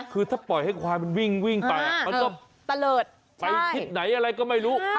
คือถ้าปล่อยให้ควายกำลังบินไปตารืดไปที่ไหนอะไรก็ไม่รู้